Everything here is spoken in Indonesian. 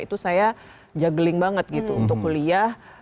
itu saya juggling banget gitu untuk kuliah